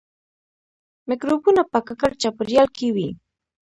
مکروبونه په ککړ چاپیریال کې وي